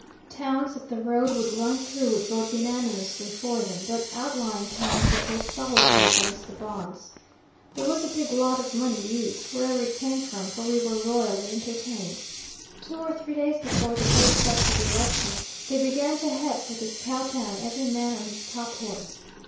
Towns that the road would run through would vote unanimously for them, but outlying towns would vote solidly against the bonds. There was a big lot of money used, wherever it came from, for we were royally entertained. Two or three days before the date set for the election, they began to head for this cow town, every man on his top horse.